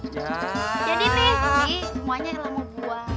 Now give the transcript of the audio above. jadi nih ini semuanya yang lo mau buang